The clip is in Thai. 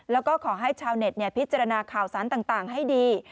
แล้วก็ขอให้ชาวเน็ตพิจารณาข่าวสารต่างให้ดี